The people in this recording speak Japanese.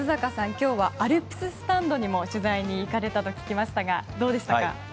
今日はアルプススタンドにも取材に行かれたと聞きましたがどうでしたか？